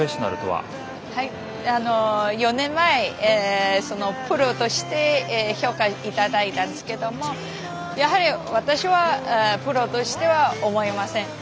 はいあの４年前そのプロとして評価頂いたんですけどもやはり私はプロとしては思いません。